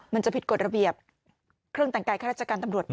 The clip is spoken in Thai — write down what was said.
มันจะผิดกฎระเบียบเครื่องแต่งกายข้าราชการตำรวจไหม